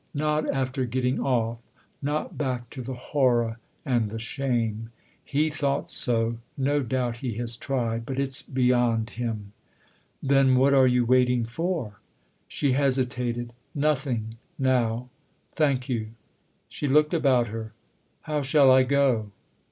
"Not after getting off 'not back to the horror and the shame. He thought so ; no doubt he has tried. But it's beyond him." " Then what are you waiting for ?" 312 TH'E OTHER HOUSE She hesitated. " Nothing now. Thank you." She looked about her. " How shall I go?"